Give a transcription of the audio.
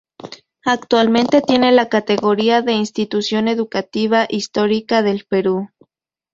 Actualmente tiene la categoría de Institución Educativa Histórica del Perú.